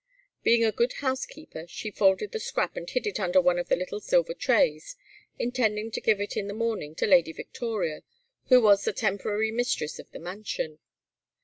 Being a good housekeeper, she folded the scrap and hid it under one of the little silver trays, intending to give it in the morning to Lady Victoria, who was the temporary mistress of the mansion.